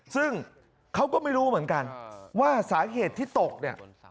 ซึ่งเขาก็ไม่รู้เหมือนกันว่าสาเหตุที่ตกเนี่ย